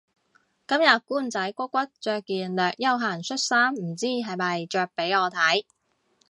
今日官仔骨骨着件略休閒恤衫唔知係咪着畀我睇